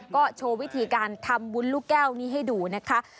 ก็โชว์วิธีการทำบุญลูกแก้วนี้ให้ดูนะคะ